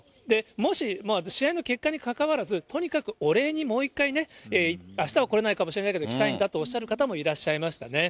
もし、試合の結果にかかわらず、とにかくお礼にもう一回ね、あしたは来れないかもしれないけど、来たいんだとおっしゃる方もいらっしゃいましたね。